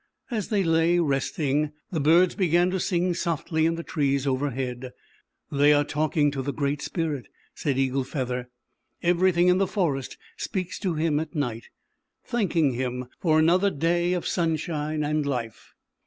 As they lay resting the birds began to sing softly in the trees overhead. "They are talking to the Great Spirit," said Eagle Feather., " Everything in the forest speaks to Him at night, thanking Him for another day of 214 ZAUBERLINDA, THE WISE WITCH. sunshine and life.